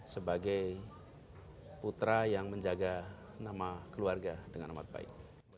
sebagai putra yang menjaga nama keluarga dengan amat baik